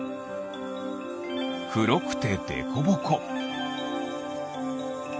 くろくてデコボコ。